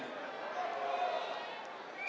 dan setiap warga negara harus menjadi bagian darinya